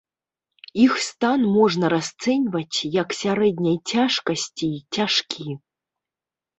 Іх стан можна расцэньваць як сярэдняй цяжкасці і цяжкі.